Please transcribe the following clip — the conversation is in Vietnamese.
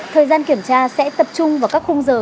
thời gian kiểm tra sẽ tập trung vào các khung giờ